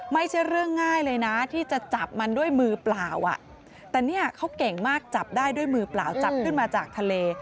ไม่ใช่เรื่องง่ายเลยนะที่จะจับมันด้วยมือเปล่าอ่ะแต่เนี่ยเขาเก่งมากจับได้ด้วยมือเปล่าจับขึ้นมาจากทะเล